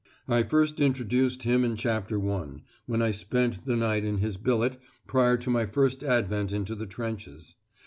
I first introduced him in Chapter I, when I spent the night in his billet prior to my first advent into the trenches.